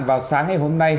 vào sáng ngày hôm nay